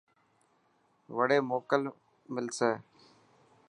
وڙي موڪو ملسي.